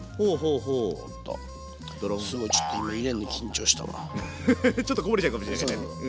フッフフフちょっとこぼれちゃうかもしれないね。